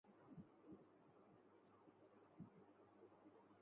সাধারণত জোড়ায় জোড়ায় থাকে।